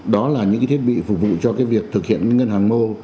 đó là những cái thiết bị phục vụ cho cái việc thực hiện ngân hàng mô